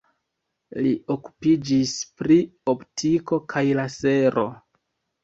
Li okupiĝis pri optiko kaj lasero.